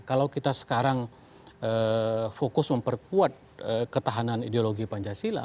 kalau kita sekarang fokus memperkuat ketahanan ideologi pancasila